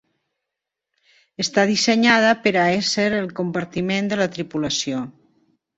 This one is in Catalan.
Està dissenyada per a ésser el compartiment de la tripulació.